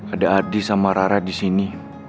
ada ardi sama rara disini